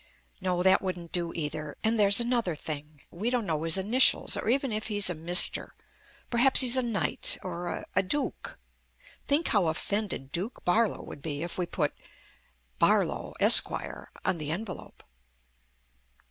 No, that wouldn't do either. And there's another thing we don't know his initials, or even if he's a 'Mr.' Perhaps he's a knight or a a duke. Think how offended Duke Barlow would be if we put ' Barlow, Esq.' on the envelope."